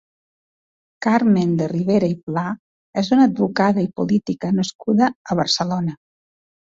Carmen de Rivera i Pla és una advocada i política nascuda a Barcelona.